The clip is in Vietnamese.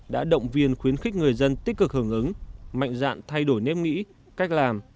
đã động viên khuyến khích người dân tích cực hưởng ứng mạnh dạn thay đổi nếp nghĩ cách làm